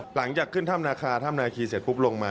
หลังจากขึ้นถ้ำนาคาถ้ำนาคีเสร็จปุ๊บลงมา